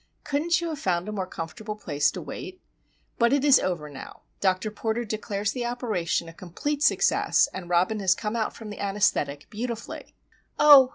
"Couldn't you have found a more comfortable place to wait? But it is over, now. Dr. Porter declares the operation a complete success; and Robin has come out from the anæsthetic beautifully!" "Oh!"